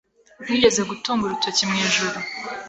wigeze gutunga urutoki mu ijuru